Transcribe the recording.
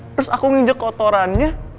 terus aku nginjek kotorannya